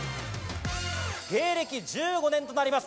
芸歴１５年となります、